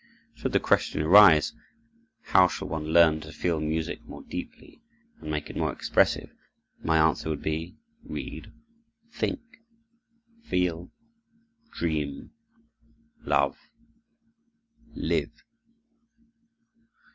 Should the question arise, How shall one learn to feel music more deeply and make it more expressive? my answer would be, Read, think, feel, dream, love, live!